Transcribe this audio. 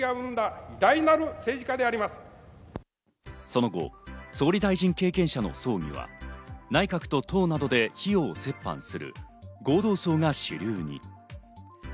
その後、総理大臣経験者の葬儀は内閣と党などで費用を折半する合同葬が主流に。